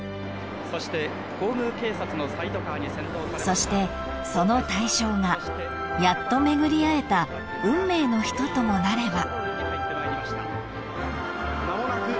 ［そしてその対象がやっと巡り合えた運命の人ともなれば］